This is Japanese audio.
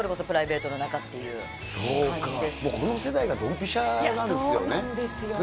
もう、この世代がドンピシャなんですよね。